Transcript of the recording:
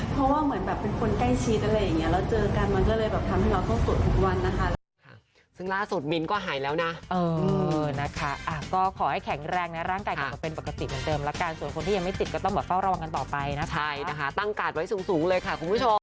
เพราะว่าเหมือนแบบเป็นคนใกล้ชิดอะไรอย่างนี้แล้วเจอกันมันก็เลยแบบทำให้เราต้องสดทุกวันนะคะ